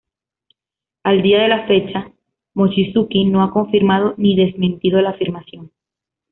A día de la fecha, Mochizuki no ha confirmado ni desmentido la afirmación.